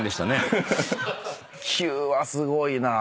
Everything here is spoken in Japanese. ９はすごいなぁ。